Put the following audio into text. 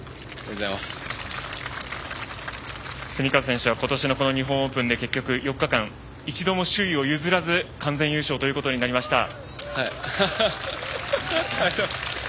蝉川選手は今年の日本オープンで４日間、一度も首位を譲らず完全優勝となりました。